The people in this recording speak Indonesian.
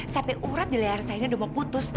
sampai urat di leher saya ini udah mau putus